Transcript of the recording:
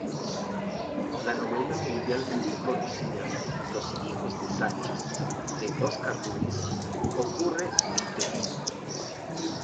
La novela mundialmente conocida "Los hijos de Sánchez", de Oscar Lewis, ocurre en Tepito.